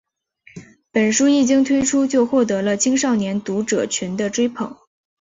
本书一经推出就获得了青少年读者群的追捧。